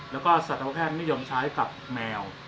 แล้วก็สัตวแพทย์นิยมใช้กับแมว